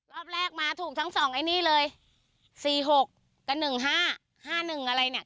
รอบแรกมาถูกทั้งสองไอ้นี่เลยสี่หกกับหนึ่งห้าห้าหนึ่งอะไรเนี่ย